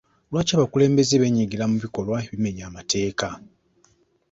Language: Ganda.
Lwaki abakulembeze beenyigira mu bikolwa ebimenya amateeka?